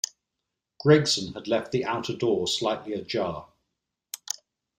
Gregson had left the outer door slightly ajar.